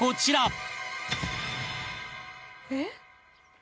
「えっ？」